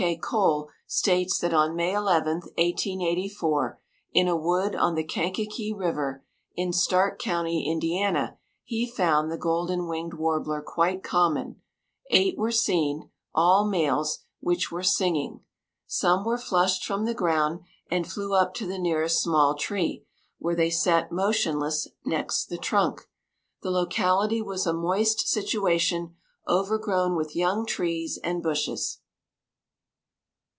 K. Coale states that on May 11, 1884, in a wood on the Kankakee river, in Starke county, Indiana, he found the golden winged warbler quite common. Eight were seen all males, which were singing. Some were flushed from the ground and flew up to the nearest small tree, where they sat motionless next the trunk. The locality was a moist situation, overgrown with young trees and bushes.